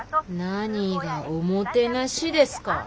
何が「おもてなし」ですか。